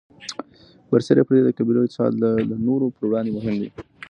برسېره پر دې، د قبیلوي اتصال د نورو پر وړاندې مهم دی.